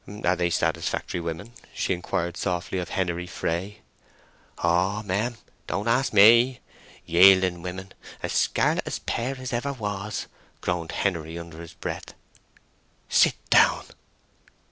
Are they satisfactory women?" she inquired softly of Henery Fray. "Oh mem—don't ask me! Yielding women—as scarlet a pair as ever was!" groaned Henery under his breath. "Sit down."